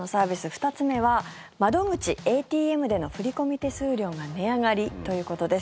２つ目は窓口・ＡＴＭでの振込手数料が値上がりということです。